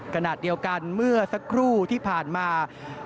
ขณะเดียวกันเมื่อสักครู่ที่ผ่านมา